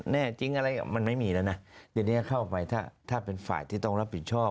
แน่จริงอะไรมันไม่มีแล้วนะทีนี้เข้าไปถ้าเป็นฝ่ายที่ต้องรับผิดชอบ